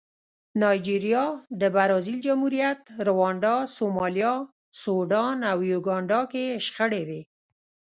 نایجریا، د برازاویل جمهوریت، رونډا، سومالیا، سوډان او یوګانډا کې شخړې وې.